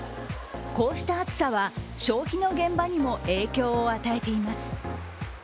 こうした暑さは消費の現場にも影響を与えています。